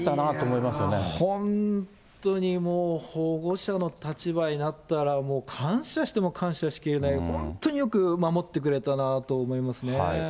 いやー、本当にもう、保護者の立場になったら、もう感謝しても感謝しきれない、本当によく守ってくれたなと思いますね。